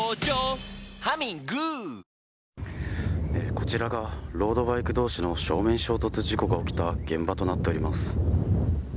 こちらがロードバイク同士の正面衝突事故が起きた現場となっています。